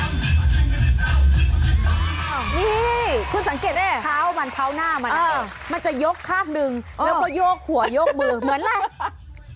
นี่คุณสังเกตได้เท้ามันเท้าหน้ามันมันจะยกข้างหนึ่งแล้วก็โยกหัวโยกมือเหมือนอะไร